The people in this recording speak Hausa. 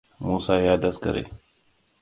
Musa ya daskare.